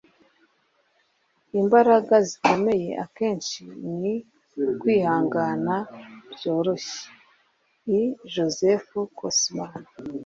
imbaraga zikomeye akenshi ni kwihangana byoroshye. - e. joseph cossman